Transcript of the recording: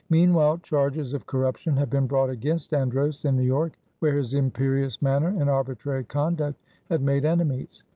Meanwhile, charges of corruption had been brought against Andros in New York, where his imperious manner and arbitrary conduct had made enemies.